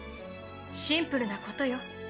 シンプルなことよ。